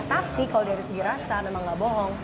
tapi kalau dari segi rasa memang gak bohong